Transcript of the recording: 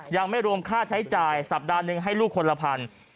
ยังไม่รวมค่าใช้จ่ายสัปดาห์หนึ่งให้ลูกคนละพัน